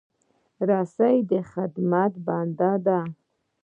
رسۍ د خدمت بنده ده.